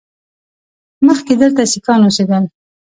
مخکې دلته سیکان اوسېدل